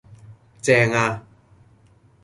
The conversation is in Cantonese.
正呀！